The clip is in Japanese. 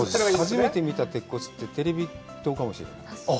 初めて見た鉄骨ってテレビ塔かもしれない。